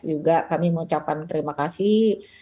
juga kami mengucapkan terima kasih